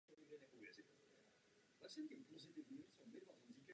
Solidarita a odpovědnost musí být obousměrné.